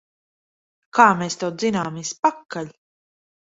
Kā mēs tev dzināmies pakaļ!